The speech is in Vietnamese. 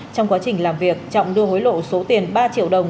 trong quá trình làm việc trọng đưa hối lộ số tiền ba triệu đồng